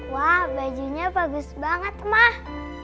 wah bajunya bagus banget mah